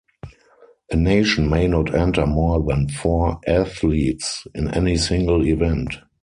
A nation may not enter more than four athletes in any single event.